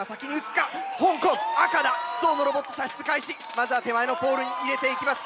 まずは手前のポールに入れていきます。